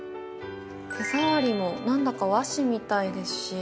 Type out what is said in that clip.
手触りも何だか和紙みたいですし。